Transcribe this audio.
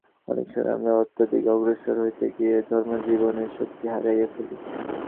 অনেক সময় আমরা অত্যধিক অগ্রসর হইতে গিয়া ধর্মজীবনের শক্তি হারাইয়া ফেলি।